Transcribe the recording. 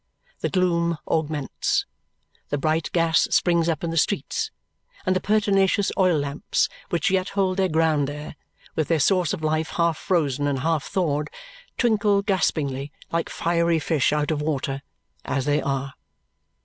The gloom augments; the bright gas springs up in the streets; and the pertinacious oil lamps which yet hold their ground there, with their source of life half frozen and half thawed, twinkle gaspingly like fiery fish out of water as they are.